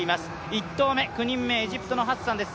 １投目、９人目、エジプトのハッサンです。